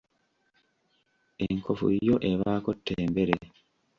Enkofu yo ebaako ttembere.